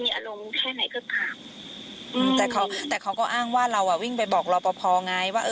ในส่วนที่เขามาทำร้ายเราอ่ะเราไม่อยากนัดเคลียร์หรอ